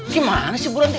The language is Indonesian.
gimana sih bu ranti